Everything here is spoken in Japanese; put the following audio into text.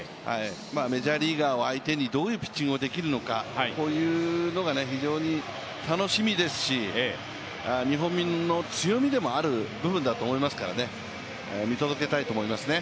メジャーリーガーを相手にどういうピッチングができるのかこういうのが非常に楽しみですし、日本の強みでもある部分ですから見届けたいと思いますね。